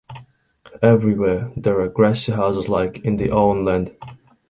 Everywhere there are grassy houses like in the Auenland.